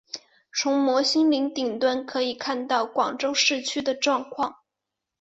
从摩星岭顶端可以看到广州市区的状况。